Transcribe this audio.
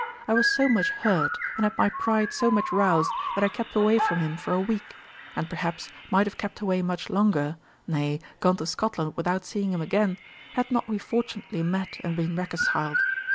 I was so much hurt, and had my pride so much roused, that I kept away from him for a week; and, perhaps, might have kept away much longer, nay, gone to Scotland without seeing him again, had not we fortunately met and been reconciled.